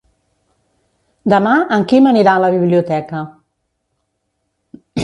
Demà en Quim anirà a la biblioteca.